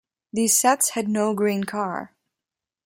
These sets had no Green car.